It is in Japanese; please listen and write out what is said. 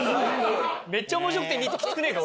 めっちゃ面白くて２位ってきつくねえか？